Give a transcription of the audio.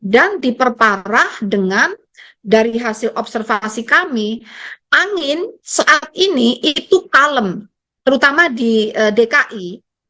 dan diperparah dengan dari hasil observasi kami angin saat ini itu kalem terutama di dki